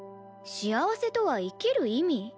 幸せとは生きる意味？